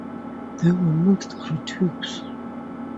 There were mixed critiques.